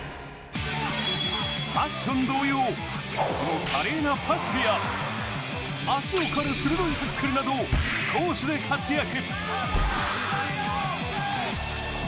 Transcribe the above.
ファッション同様、その華麗なパスや、足を刈る鋭いタックルなど攻守で活躍。